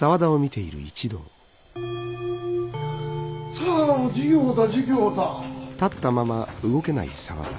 さあ授業だ授業だ。